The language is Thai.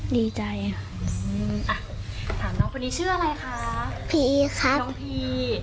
ดีใจค่ะอืมอ่ะถามน้องคนนี้ชื่ออะไรคะพี่คะน้องพี